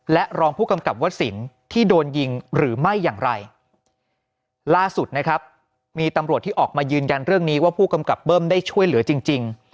และรองผู้กำกับวัสสินที่โดนยิงหรือไม่อย่างไรล่าสุดนะครับมีตำรวจที่ออกมายืนยันเรื่องนี้ว่าผู้กำกับเบิ้มได้ช่วยเหลือจริงจริง